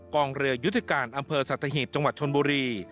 กองเรือยุทธการอำเภอสัตหีบจังหวัดชนบุรี